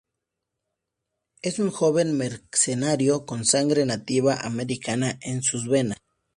Es un joven mercenario con sangre nativa americana en sus venas.